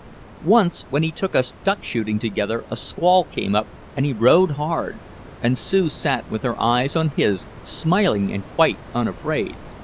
Once when he took us duck shooting together a squall came up and he rowed hard, and Sue sat with her eyes on his, smiling and quite unafraid.